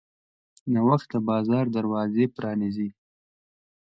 نوښت د بازار دروازې پرانیزي.